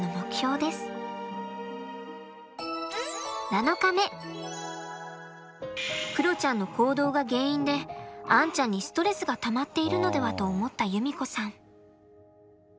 今度はクロちゃんの行動が原因でアンちゃんにストレスがたまっているのではと思った由実子さん。